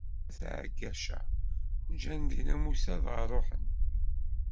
At Ɛaggaca ǧǧan dinna Musa dɣa ṛuḥen.